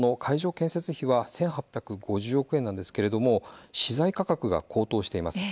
建設費は１８５０億円なんですけれども資材価格が高騰しています。